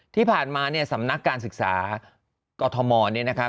ที่ผ่านมาสำนักการศึกษากรทมนี้นะคะ